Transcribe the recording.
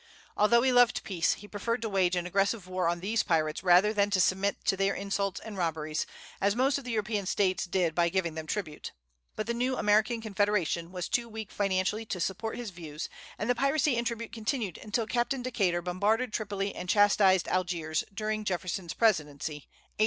Although he loved peace he preferred to wage an aggressive war on these pirates rather than to submit to their insults and robberies, as most of the European States did by giving them tribute. But the new American Confederation was too weak financially to support his views, and the piracy and tribute continued until Captain Decatur bombarded Tripoli and chastised Algiers, during Jefferson's presidency, 1803 4.